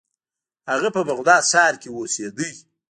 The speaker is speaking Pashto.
هغه په بغداد ښار کې اوسیده.